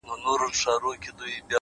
o خوند كوي دا دوه اشــــنا؛